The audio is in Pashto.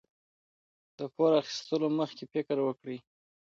د پور اخیستلو مخکې فکر وکړئ.